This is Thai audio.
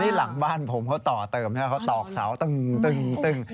นี่หลังบ้านผมเขาต่อเติมนะครับเขาตอกเสาตึ้ง